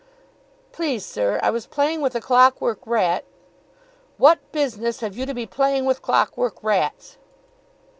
"Please, sir, I was playing with a clock work rat " "What business have you to be playing with clock work rats?"